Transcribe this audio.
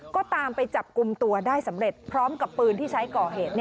ก็ตามไปจับกลุ่มตัวได้สำเร็จพร้อมกับปืนที่ใช้ก่อเหตุ